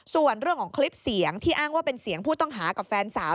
ส่วนเรื่องของคลิปเสียงที่อ้างว่าเป็นเสียงผู้ต้องหากับแฟนสาว